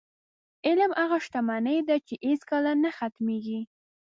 علم هغه شتمني ده، چې هېڅکله نه ختمېږي.